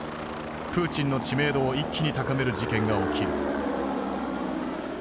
プーチンの知名度を一気に高める事件が起きる。